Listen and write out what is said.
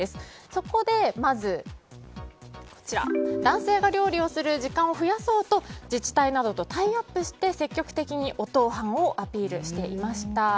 そこで、まず男性が料理をする時間を増やそうと自治体などとタイアップして積極的におとう飯をアピールしていました。